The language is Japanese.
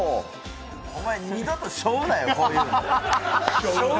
お前、二度としょうなよ。